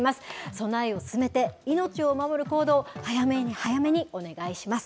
備えを進めて、命を守る行動、早め早めにお願いします。